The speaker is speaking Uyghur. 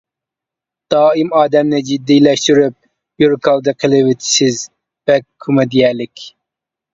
دائىم ئادەمنى جىددىيلەشتۈرۈپ يۈرەكئالدى قىلىۋېتىسىز، بەك كومېدىيەلىك.